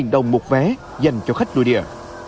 tám mươi đồng một vé dành cho khách nuôi địa